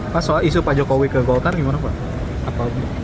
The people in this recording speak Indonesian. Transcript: pak soal isu pak jokowi ke golkar gimana pak